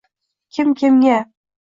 Kim kimga?